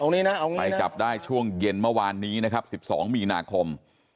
ไปจับได้ช่วงเย็นเมื่อวานนี้นะครับ๑๒มีนาคม